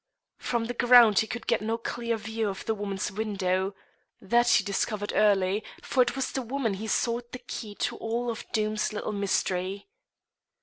From the ground he could get no clear view of the woman's window: that he discovered early, for it was in the woman he sought the key to all Doom's little mystery.